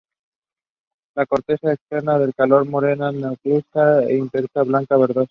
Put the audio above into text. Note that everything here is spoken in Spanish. La corteza externa es de color morena a negruzca, la interna blanca-verdoso.